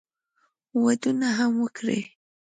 ودونه هم وکړي.